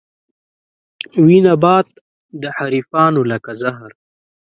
وي نبات د حريفانو لکه زهر